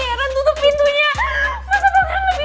apaan itu ini